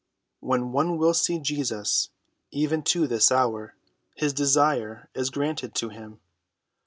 When one will see Jesus, even to this hour, his desire is granted to him.